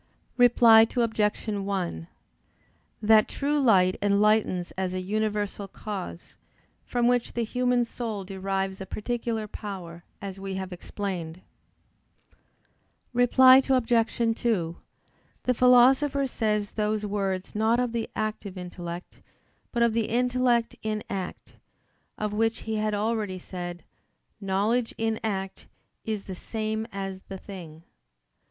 Reply Obj. 1: That true light enlightens as a universal cause, from which the human soul derives a particular power, as we have explained. Reply Obj. 2: The Philosopher says those words not of the active intellect, but of the intellect in act: of which he had already said: "Knowledge in act is the same as the thing."